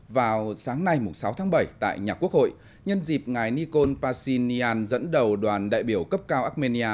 vào sáng nay sáu tháng bảy tại nhà quốc hội nhân dịp ngài nikol pashinyan dẫn đầu đoàn đại biểu cấp cao armenia